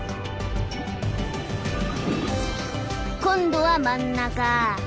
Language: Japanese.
「今度は真ん中。